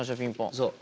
そう。